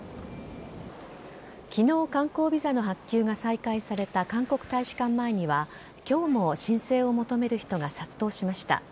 昨日観光ビザの発給が再開された韓国大使館前には今日も申請を求める人が殺到しました。